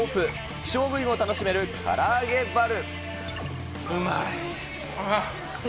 希少部位が楽しめるから揚げバル。